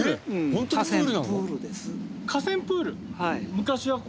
ホントにプール？